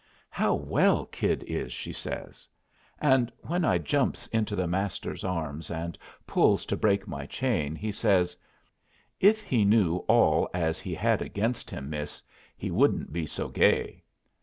"How well Kid is!" she says. And when I jumps into the Master's arms and pulls to break my chain, he says, "If he knew all as he had against him, miss, he wouldn't be so gay."